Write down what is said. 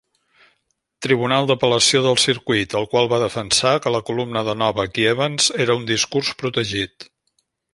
Tribunal d'Apel·lació del Circuit, el qual va defensar que la columna de Novak i Evans era un discurs protegit.